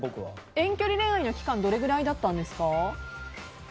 遠距離恋愛の期間はどれくらいだったんですか？